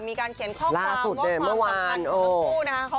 มีการเขียนข้อความว่าความสัมพันธ์คุณคู่